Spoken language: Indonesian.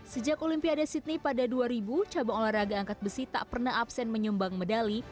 sejak olimpiade sydney pada dua ribu cabang olahraga angkat besi tak pernah absen menyumbang medali